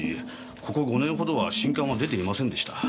ここ５年ほどは新刊は出ていませんでした。